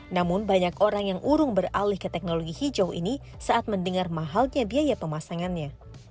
namun banyak orang yang urung beralih ke teknologi hijau ini saat mendengar mahalnya biaya pemasangannya